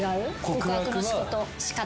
告白の仕方。